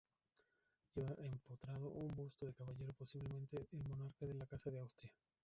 Lleva empotrado un busto de caballero, posiblemente el monarca de la casa de Austria.